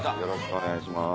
お願いします。